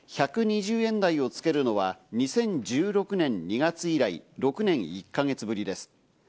１２０円台をつけるのは２０１６年２月以来、６年１か月ぶりです。